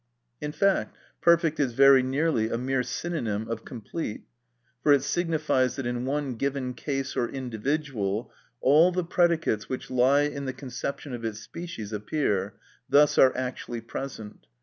In fact "perfect" is very nearly a mere synonym of "complete," for it signifies that in one given case or individual, all the predicates which lie in the conception of its species appear, thus are actually present.